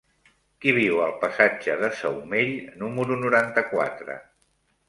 Qui viu al passatge de Saumell número noranta-quatre?